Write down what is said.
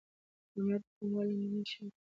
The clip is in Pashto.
امنیت د پانګونې لومړنی شرط دی.